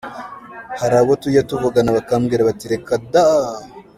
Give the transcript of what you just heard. Hari abo tujya tuvugana bakambwira bati “ Reka daaaa!